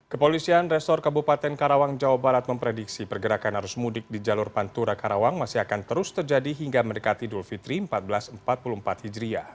kepolisian resor kabupaten karawang jawa barat memprediksi pergerakan arus mudik di jalur pantura karawang masih akan terus terjadi hingga mendekati dulfitri seribu empat ratus empat puluh empat hijriah